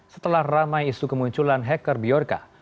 setelah ramai isu kemunculan hacker biorca